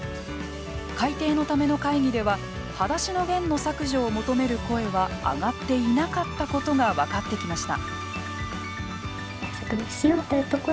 改訂のための会議では「はだしのゲン」の削除を求める声はあがっていなかったことが分かってきました。